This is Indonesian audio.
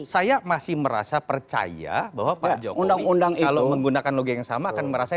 saya masih merasa percaya bahwa pak jokowi kalau menggunakan logika yang sama akan merasa